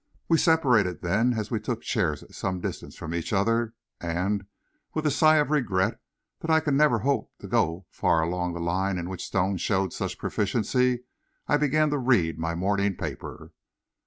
We separated then, as we took chairs at some distance from each other, and, with a sigh of regret that I could never hope to go far along the line in which Stone showed such proficiency, I began to read my morning paper.